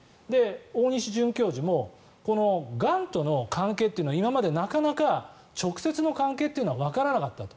大西准教授もこのがんとの関係というのは今までなかなか直接の関係というのはわからなかったと。